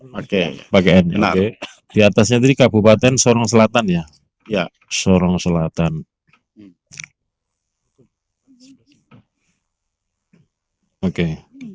pakai pakai enak diatasnya di kabupaten sorong selatan ya ya sorong selatan oke di